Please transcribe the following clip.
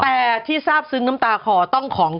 แต่ที่ทราบซึ้งน้ำตาคอต้องของ